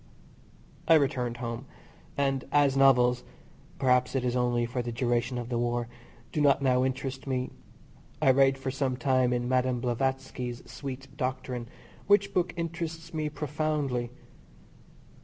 I returned home, and as novels (perhaps it is only for the duration of the war) do not now interest me I read for some time in Madame Blavatsky's "Secret Doctrine," which book interests me profoundly.